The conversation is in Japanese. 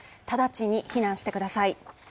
直ちに避難してください。